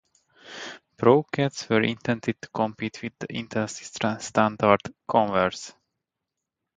Pro-Keds were intended to compete with the industry standard, Converse.